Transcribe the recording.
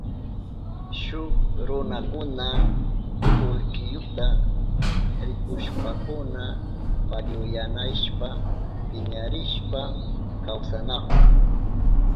Shuk runakuna kullkiyuta rikushpankuna parihuyanayashpa piñarishpa kawsanahun.